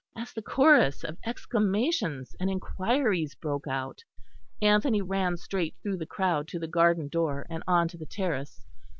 As the chorus of exclamations and inquiries broke out, Anthony ran straight through the crowd to the garden door, and on to the terrace.